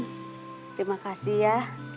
terima kasih ya